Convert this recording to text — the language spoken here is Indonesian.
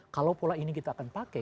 kalau pola ini kita akan pakai